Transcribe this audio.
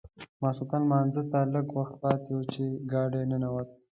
ماخوستن لمانځه ته لږ وخت پاتې و چې ګاډی ننوت.